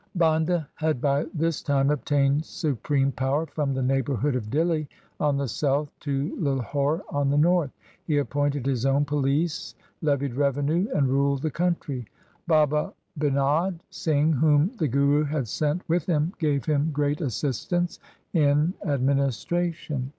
Banda had by this time obtained supreme power from the neighbourhood of Dihli on the south to Lahore on the north. He appointed his own police, levied revenue, and ruled the country. Baba Binod Singh, whom the Guru had sent with him, gave him great assistance in administration.